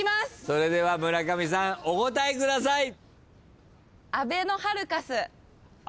それでは村上さんお答えください。